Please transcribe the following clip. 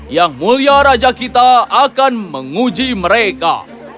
yang mulia raja kita akan menguji mereka